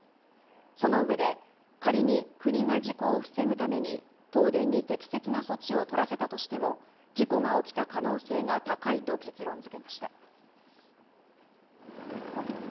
その上で、仮に国が事故を防ぐために、東電に適切な措置を取らせたとしても、事故が起きた可能性が高いと結論づけました。